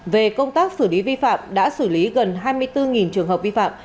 về công tác xử lý vi phạm đã xử lý gần hai mươi bốn trường hợp vi phạm